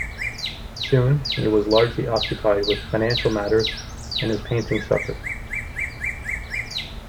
Soon, he was largely occupied with financial matters and his painting suffered.